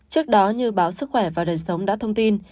trước đó như báo sức khỏe và đời sống đã thông tin